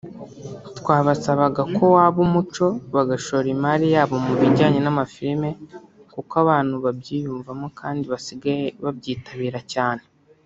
Twabasaba ko waba umuco bagashora imari yabo mu bijyanye n’amafilimi kuko abantu babyiyumvamo kandi basigaye babyitabira cyane